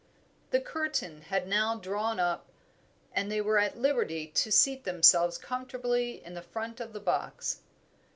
The curtain had now drawn up, and they were at liberty to seat themselves comfortably in the front of the box.